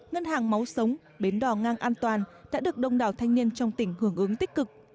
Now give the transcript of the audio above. ngân hàng máu sống bến đỏ ngang an toàn đã được đông đảo thanh niên trong tỉnh hưởng ứng tích cực